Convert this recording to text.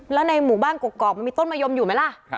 แล้วในหมู่บ้านกกอกมันมีต้นมะยมอยู่ไหมล่ะ